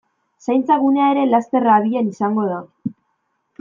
Zaintza gunea ere laster abian izango da.